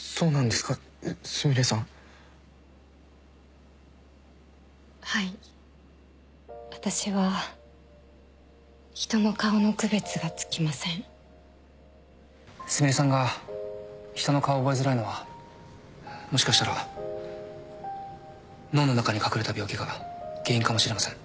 すみれさんが人の顔を覚えづらいのはもしかしたら脳の中に隠れた病気が原因かもしれません